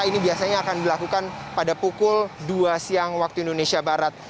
ini biasanya akan dilakukan pada pukul dua siang waktu indonesia barat